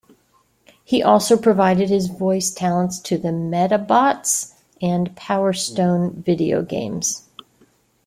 He also provided his voice talents to the "Medabots" and "Power Stone" video games.